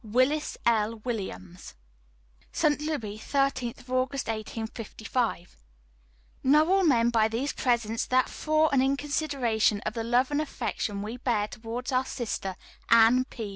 "WILLIS L. WILLIAMS. "ST. LOUIS, 13th August, 1855." "Know all men by these presents, that for and in consideration of the love and affection we bear towards our sister, Anne P.